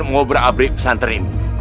mengobrol abrik pesantren ini